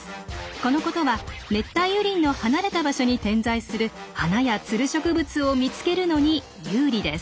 このことは熱帯雨林の離れた場所に点在する花やツル植物を見つけるのに有利です。